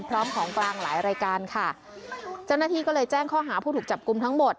พร้อมของกลางหลายรายการค่ะเจ้าหน้าที่ก็เลยแจ้งข้อหาผู้ถูกจับกลุ่มทั้งหมด